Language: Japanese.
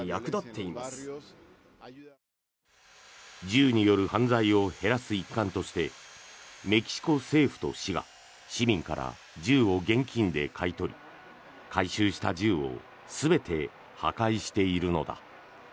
銃による犯罪を減らす一環としてメキシコ政府と市が市民から銃を現金で買い取り回収した銃を全て破壊しているのだ。